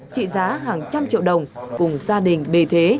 trị giá hàng trăm triệu đồng cùng gia đình bề thế